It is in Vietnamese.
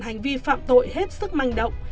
hành vi phạm tội hết sức manh động